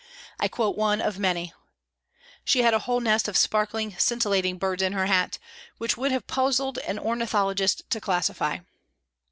I quote one of many: "She had a whole nest of sparkling, scintillating birds in her hat, which would have puzzled an ornithologist to classify."